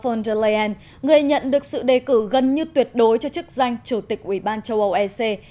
phong de leyen người nhận được sự đề cử gần như tuyệt đối cho chức danh chủ tịch ủy ban châu âu asean